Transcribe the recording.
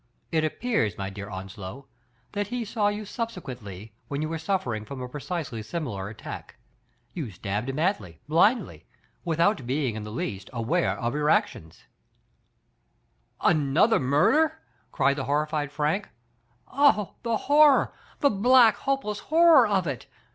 It appears, my dear Onslow, that he saw you subsequently, when you were suffering from a precisely similar attack. You stabbed madly, t)lindly, without being in the least aware of your actions. Digitized by Google F. ANSTEY. 315 Another murder?" cried the horrified Frank. "Oh, the horror, the black, hopeless horror of it